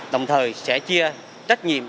đồng thời sẽ chia trách nhiệm